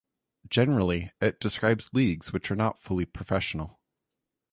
Generally it describes leagues which are not fully professional.